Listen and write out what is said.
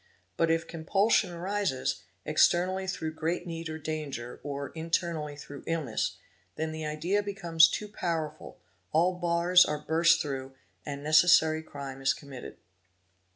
But if compulsion arises, externally through great need or danger, or internally through illness, then the idea becomes too powerful, all bars are burst' through, and the necessary crime is committed.